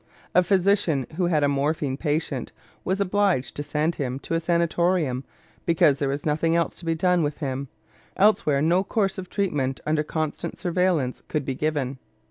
A physician who had a morphine patient was obliged to send him to a sanatorium because there was nothing else to be done with him; elsewhere no course of treatment under constant surveillance could be given.